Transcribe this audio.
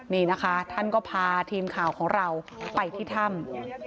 นี่นะคะท่านก็พาทีมข่าวของเราไปที่ถ้ำ